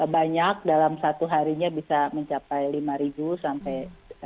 banyak dalam satu harinya bisa mencapai lima sampai